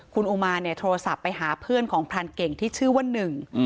คุณอุมาเนี่ยโทรศัพท์ไปหาเพื่อนของพรานเก่งที่ชื่อว่าหนึ่ง